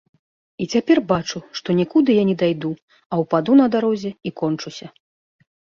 I цяпер бачу, што нiкуды я не дайду, а ўпаду на дарозе i кончуся.